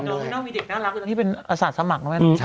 แล้วมีเด็กน่ารักอื่นที่เป็นอาศาสตร์สมัครด้วยนะ